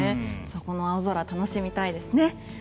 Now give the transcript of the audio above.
この青空、楽しみたいですね。